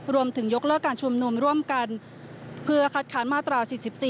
ยกเลิกการชุมนุมร่วมกันเพื่อคัดค้านมาตรา๔๔